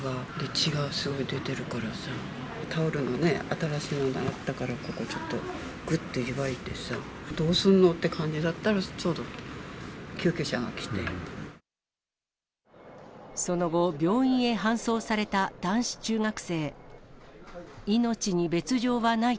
血がすごい出てるからさ、タオルの新しいのがあったから、ここちょっと、ぐっと結わいてさ、どうすんのって感じだったら、ちょうど救急車その後、病院へ搬送された男子中学生。